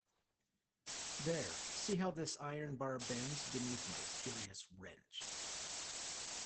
There — see how this iron bar bends beneath my furious wrench.